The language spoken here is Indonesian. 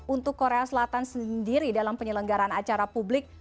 untuk korea selatan sendiri dalam penyelenggaran acara publik